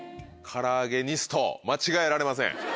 カラアゲニスト間違えられません。